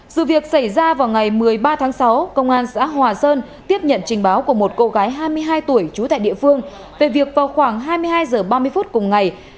sự việc xảy ra vào ngày một mươi ba tháng sáu công an xã hòa sơn tiếp nhận trình báo của một cô gái hai mươi hai tuổi trú tại địa phương về việc vào khoảng hai mươi hai h ba mươi phút cùng ngày